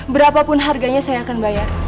berapapun harganya saya akan bayar